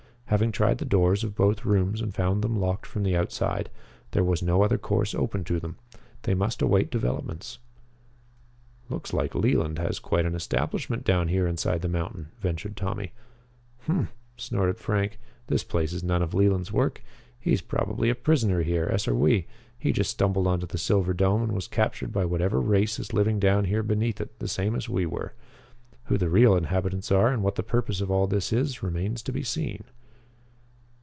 Having tried the doors of both rooms and found them locked from the outside, there was no other course open to them. They must await developments. "Looks like Leland has quite an establishment down here inside the mountain," ventured Tommy. "Hm!" snorted Frank, "this place is none of Leland's work. He is probably a prisoner here, as are we. He just stumbled on to the silver dome and was captured by whatever race is living down here beneath it, the same as we were. Who the real inhabitants are, and what the purpose of all this is, remains to be seen."